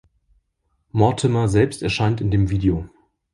Mortimer selbst erscheint in dem Video.